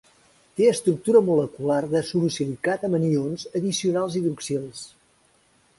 Té estructura molecular de sorosilicat amb anions addicionals hidroxils.